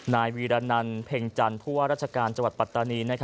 นายวีรนันเพ็งจันทร์ผู้ว่าราชการจังหวัดปัตตานี